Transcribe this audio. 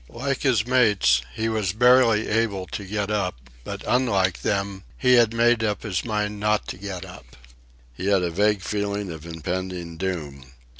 Like his mates, he was barely able to get up, but, unlike them, he had made up his mind not to get up. He had a vague feeling of impending doom.